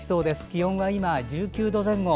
気温は１９度前後。